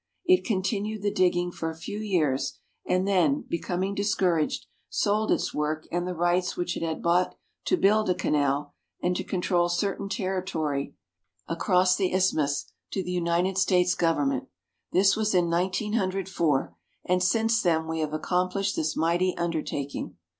It continued the digging for a few years and then, becoming discour aged, sold its work and the rights which it had bought to build a canal and to control certain territory across the CARP. so. AM. — 2 20 ISTHMUS OF PANAMA isthmus, to the United States government. This was in 1904, and since then we have accomphshed this mighty undertaking.